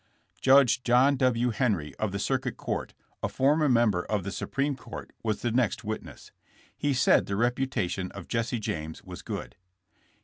'' Judge John W. Henry, of the circuit court, a former member of the supreme court, was the next witness. He said the reputation of Jesse James was good.